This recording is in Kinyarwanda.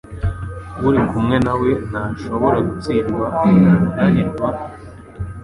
Uri kumwe na we ntashobora gutsindwa, ntananirwa,